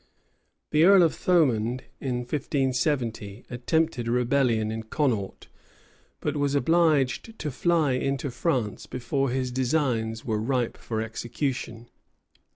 [v] The earl of Thomond, in 1570, attempted a rebellion in Connaught, but was obliged to fly into France before his designs were ripe for execution.